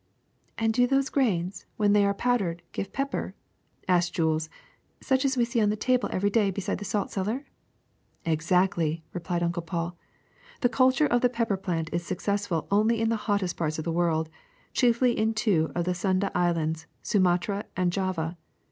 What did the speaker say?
'' *^And do those grains, when they Branch of PeppT ^rc powdcrcd, givc pepper?'' asked Plant with Berries Jules ;^' such as wc scc ou the table every day beside the salt cellar?" ^'Exactly," replied Uncle Paul. *^The culture of the pepper plant is successful only in the hottest parts of the world, chiefly in two of the Sunda Is lands, Sumatra and Java.